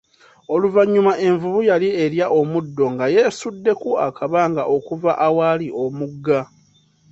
Oluvanyuma, envubu yali erya omuddo nga yesuddeko akabanga okuva awali omugga.